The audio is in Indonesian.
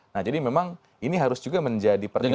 nah jadi memang ini harus juga menjadi pertimbangan